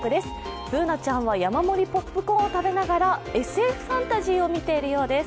Ｂｏｏｎａちゃんは山盛りポップコーンを食べながらＳＦファンタジーを見ているようです。